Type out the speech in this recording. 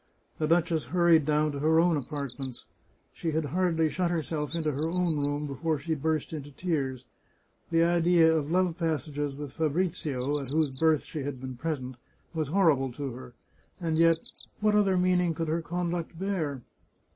The duchess hurried down to her own apartments. She had hardly shut herself into her own room before she burst 158 The Chartreuse of Parma into tears. The idea of love passages with Fabrizio, at whose birth she had been present, was horrible to her, and yet what other meaning could her conduct bear?